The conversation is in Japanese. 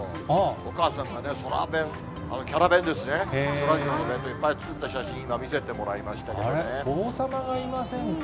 お母さんがね、そら弁、キャラ弁ですね、そらジローの弁当、いっぱい作った写真、今、見せて王様がいませんか？